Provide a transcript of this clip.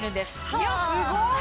いやすごい。